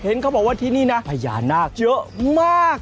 เขาบอกว่าที่นี่นะพญานาคเยอะมาก